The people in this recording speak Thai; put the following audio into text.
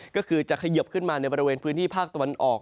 ก็คือจะเขยิบขึ้นมาในบริเวณพื้นที่ภาคตะวันออก